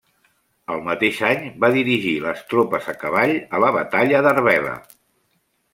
El mateix any va dirigir les tropes a cavall a la batalla d'Arbela.